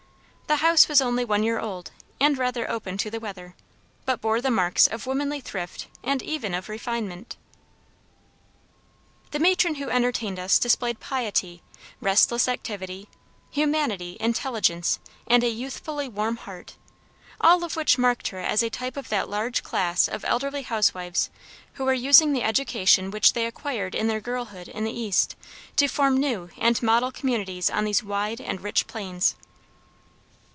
The house was only one year old, and rather open to the weather, but bore the marks of womanly thrift and even of refinement. The matron who entertained us displayed piety, restless activity, humanity, intelligence, and a youthfully warm heart, all of which marked her as a type of that large class of elderly housewives who are using the education which they acquired in their girlhood in the East to form new and model communities on these wide and rich plains.